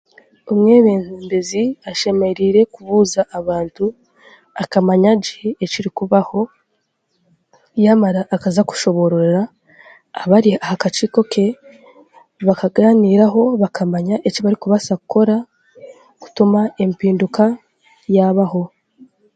Omwebembezi ashemereire kubuuza abantu akamanya gye ekirikubaho, yaamara akaza kushobororera abari aha kakiiko ke, bakagaaniiraho bakamanya eki barikubaasa kukora kutuma empinduka yaabaho.